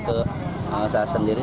ke saya sendiri